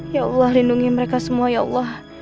ya allah lindungi mereka semua ya allah